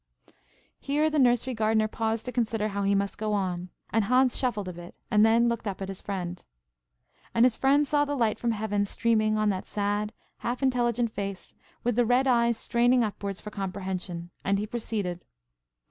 Here the nursery gardener paused to consider how he must go on, and Hans shuffled a bit, and then looked up at his friend. And his friend saw the light from heaven streaming on that sad, half intelligent face, with the red eyes straining upwards for comprehension; and he proceeded.